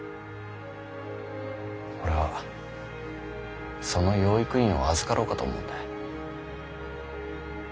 俺はその養育院を預かろうかと思うんだい。